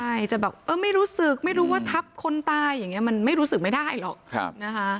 ใช่จะแบบเออไม่รู้สึกไม่รู้ว่าทับคนตายอย่างนี้มันไม่รู้สึกไม่ได้หรอกนะคะ